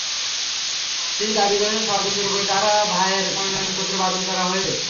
তিনি দাবি করেছেন, ষড়যন্ত্র করে তাঁর ভাইয়ের মনোনয়নপত্র বাতিল করা হয়েছে।